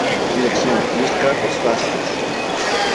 Dirección: Luis Carlos Vásquez.